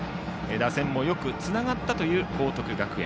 打線もよくつながったという報徳学園。